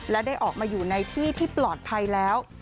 และได้ออกมาอยู่ในที่ที่ปลอดภัยแล้ว